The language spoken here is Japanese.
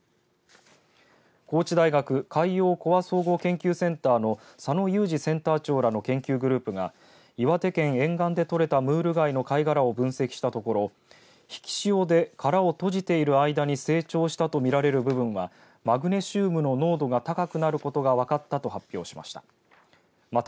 高知大学海洋コア総合研究センターの佐野有司センター長らの研究グループが岩手県沿岸で捕れたムール貝の貝殻を分析したところ引き潮で殻を閉じている間に成長したとみられる部分はマグネシウムの濃度が高くなることが分かったと発表しました。